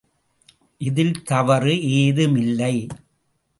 இதில் தவறு ஏதுமில்லை.